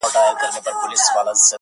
o زه ومه ويده اكثر.